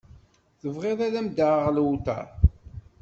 Tebɣiḍ ad m-d-aɣeɣ lewṭer